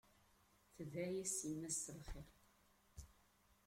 Tedɛa-yas yemma-s s lxir.